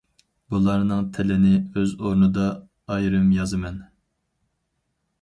بۇلارنىڭ تىلىنى ئۆز ئورنىدا ئايرىم يازىمەن.